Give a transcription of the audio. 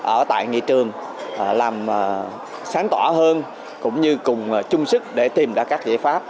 ở tại nghị trường làm sáng tỏa hơn cũng như cùng chung sức để tìm ra các giải pháp